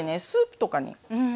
スープとかに。